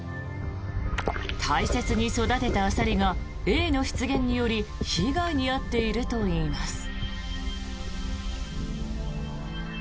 大切に育てたアサリがエイの出現により被害に遭っているといいます。